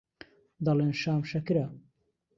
دەڵێن شام شەکرە